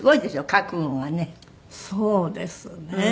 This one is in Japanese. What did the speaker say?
そうですね。